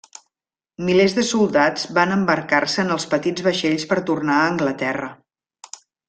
Milers de soldats van embarcar-se en els petits vaixells per tornar a Anglaterra.